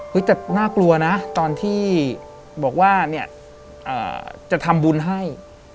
แต่น่ากลัวนะตอนที่บอกว่าเนี่ยจะทำบุญให้